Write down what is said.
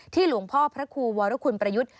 หลวงพ่อพระครูวรคุณประยุทธ์